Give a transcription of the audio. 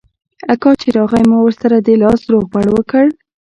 اکا چې راغى ما ورسره د لاس روغبړ وکړ.